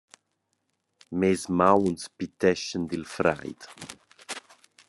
«Mes mauns piteschan dil freid.